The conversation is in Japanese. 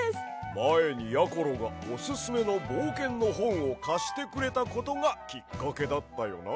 まえにやころがおすすめのぼうけんのほんをかしてくれたことがきっかけだったよな。